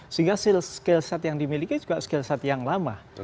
sehingga skill set yang dimiliki juga skill set yang lama